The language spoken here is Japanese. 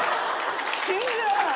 信じられない！